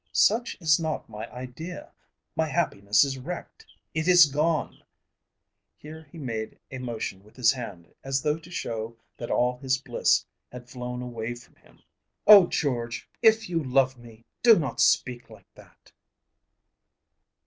"Such is not my idea. My happiness is wrecked. It is gone." Here he made a motion with his hand, as though to show that all his bliss had flown away from him. "Oh, George, if you love me, do not speak like that!"